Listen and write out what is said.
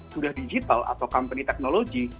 sudah digital atau company technology